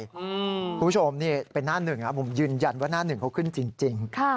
คุณผู้ชมนี่เป็นหน้าหนึ่งมุมยืนยันว่าหน้าหนึ่งเขาขึ้นจริง